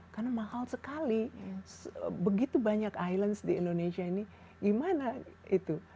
karena mahal sekali begitu banyak islands di indonesia ini gimana itu